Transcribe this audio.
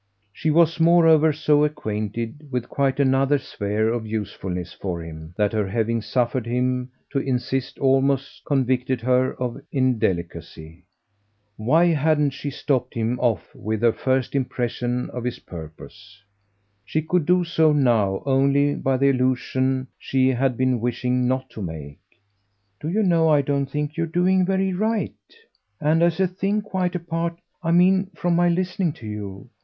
She was moreover so acquainted with quite another sphere of usefulness for him that her having suffered him to insist almost convicted her of indelicacy. Why hadn't she stopped him off with her first impression of his purpose? She could do so now only by the allusion she had been wishing not to make. "Do you know I don't think you're doing very right? and as a thing quite apart, I mean, from my listening to you.